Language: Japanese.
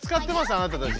あなたたち。